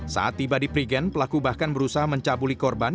saat tiba di prigen pelaku bahkan berusaha mencabuli korban